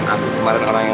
aku kemarin kenangin